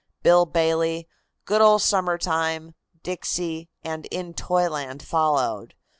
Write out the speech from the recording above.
"Bill Bailey," "Good Old Summer Time," "Dixie" and "In Toyland" followed.